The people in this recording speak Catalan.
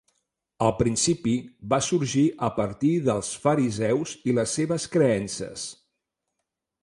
Al principi, va sorgir a partir dels fariseus i les seves creences.